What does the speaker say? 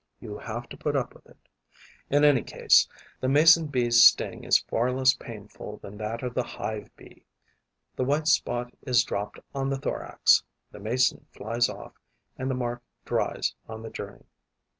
You have to put up with it. In any case, the Mason bee's sting is far less painful than that of the Hive bee. The white spot is dropped on the thorax; the Mason flies off; and the mark dries on the journey.